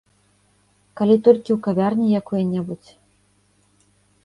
Калі толькі ў кавярні якой-небудзь.